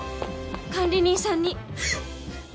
管理人さんに